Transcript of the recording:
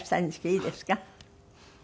いいですか？